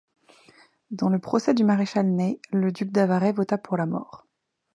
Dans le procès du maréchal Ney, le duc d'Avaray vota pour la mort.